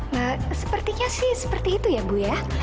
nah sepertinya sih seperti itu ya bu ya